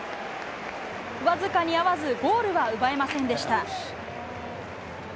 わずかに合わずゴールは奪えませんでした。